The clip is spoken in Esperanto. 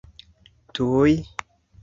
tuj